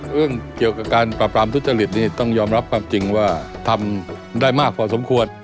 เรื่องเกี่ยวกับการปราบรามทุจริตนี่ต้องยอมรับความจริงว่าทำได้มากพอสมควร